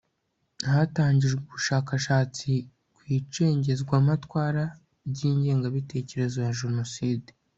hatangijwe ubushakashatsi ku icengezamatwara ry'ingengabitekerezo ya jenoside